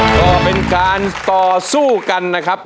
ก็เป็นการต่อสู้กันนะครับ